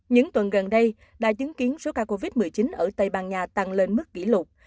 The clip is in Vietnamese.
những tuần gần đây đã chứng kiến số ca covid một mươi chín ở tây ban nha tăng lên mức kỷ lục